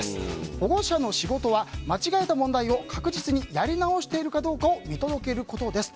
保護者の仕事は間違えた問題を確実にやり直しているかどうかを見届けることです。